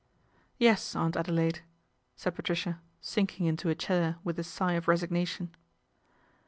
1 Yes, Aunt Adelaide/' said Patricia, sinking into a chair with a sigh of resignation.